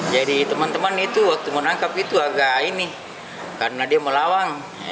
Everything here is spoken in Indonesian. jadi teman teman itu waktu menangkap itu agak ini karena dia melawang